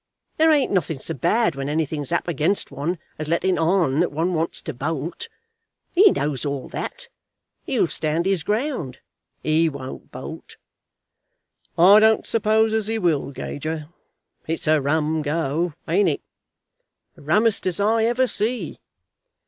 There ain't nothing so bad when anything's up against one as letting on that one wants to bolt. He knows all that. He'll stand his ground. He won't bolt." "I don't suppose as he will, Gager. It's a rum go; ain't it? the rummest as I ever see."